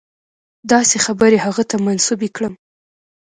داسې خبرې هغه ته منسوبې کړم.